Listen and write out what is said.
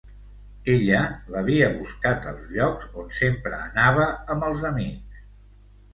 Ella l'havia buscat als llocs on sempre anava amb els amics.